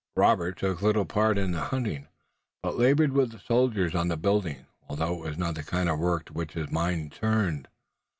Robert took little part in the hunting, but labored with the soldiers on the building, although it was not the kind of work to which his mind turned.